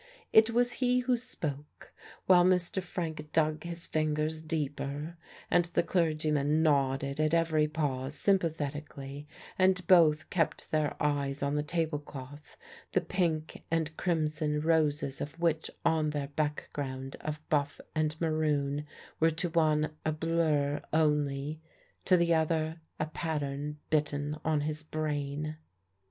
It was he who spoke, while Mr. Frank dug his fingers deeper, and the clergyman nodded at every pause sympathetically, and both kept their eyes on the table cloth, the pink and crimson roses of which on their background of buff and maroon were to one a blur only, to the other a pattern bitten on his brain.